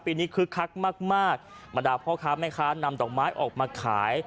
ปีนี้คึกคักมากมากบรรดาพ่อค้าแม่ค้านำดอกไม้ออกมาขาย